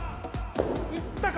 いったか？